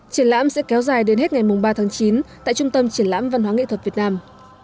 triển lãm sẽ kéo dài đến hết ngày ba tháng chín tại trung tâm triển lãm văn hóa nghệ thuật việt nam